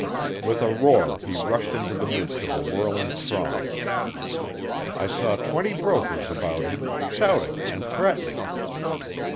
With a roar he rushed into the midst of a whirling throng. I saw twenty brokers about him, shouting and threatening.